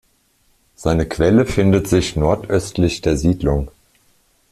Seine Quelle findet sich nordöstlich der Siedlung.